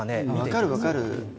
分かる、分かる。